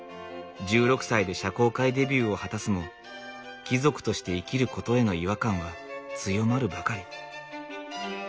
１６歳で社交界デビューを果たすも貴族として生きることへの違和感は強まるばかり。